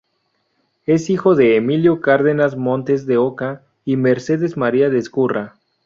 Es hijo de Emilio Cárdenas Montes de Oca y Mercedes María de Ezcurra.